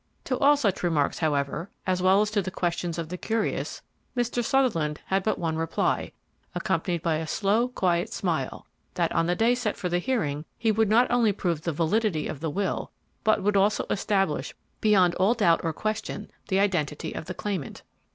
To all such remarks, however, as well as to the questions of the curious, Mr. Sutherland had but one reply, accompanied by a slow, quiet smile; that on the day set for the hearing, he would not only prove the validity of the will, but would also establish, beyond all doubt or question, the identity of the claimant.